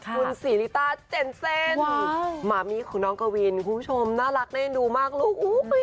คุณสีลิตาเจนเซ็นหม่ามีคุณน้องกวินคุณผู้ชมน่ารักเล่นดูมากลูก